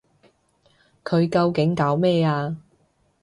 佢究竟搞咩啊？